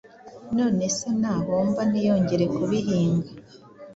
None se nahomba ntiyongere kubihinga,